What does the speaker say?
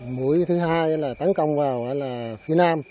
mũi thứ hai là tấn công vào phía nam